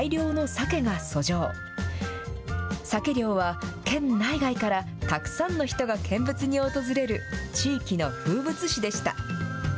サケ漁は県内外から、たくさんの人が見物に訪れる、地域の風物詩でした。